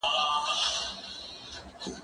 زه اوس ځواب ليکم؟!